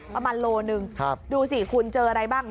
ประมาณโลหนึ่งดูสิคุณเจออะไรบ้าง